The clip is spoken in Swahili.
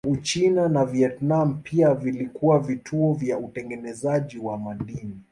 Uchina na Vietnam pia vilikuwa vituo vya utengenezaji wa madini.